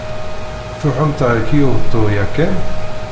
Tṛuḥemt ɣer Kyoto yakan?